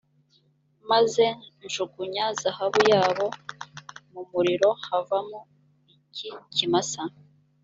maze njugunya zahabu yabo mu muriro havamo iki kimasa